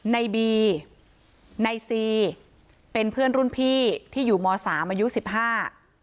ในบีในซีเป็นเพื่อนรุ่นพี่ที่อยู่มสามอายุสิบห้า